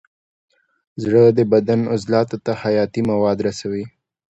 زړه د بدن عضلاتو ته حیاتي مواد رسوي.